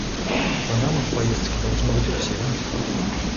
Панамы в поездке должны быть у всех.